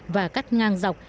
và cắt ngang dọc